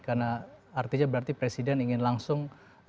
karena artinya berarti presiden ingin langsung